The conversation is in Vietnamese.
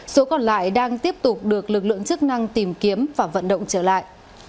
số còn lại đang tiếp tục được lực lượng chức năng tìm kiếm và vận động trở lại